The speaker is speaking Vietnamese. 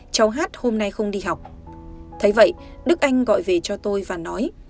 cháu hát hôm nay không đi học thấy vậy đức anh gọi về cho tôi và nói